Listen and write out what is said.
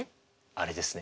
あれですね。